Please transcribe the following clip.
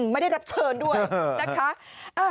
ไม่ได้รับเชิญด้วยนะคะ